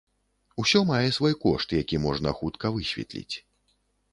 Усё мае свой кошт, які можна хутка высветліць.